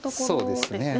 そうですね。